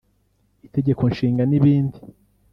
Itegeko Nshinga n’ibindi